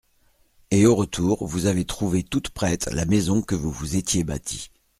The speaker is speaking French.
Et au retour, vous avez trouvé toute prête la maison que vous vous étiez bâtie.